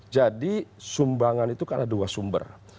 jadi sumbangan itu karena dua sumber